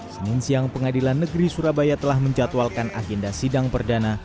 senin siang pengadilan negeri surabaya telah menjatuhkan agenda sidang perdana